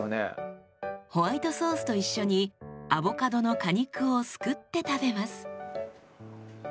ホワイトソースと一緒にアボカドの果肉をすくって食べます。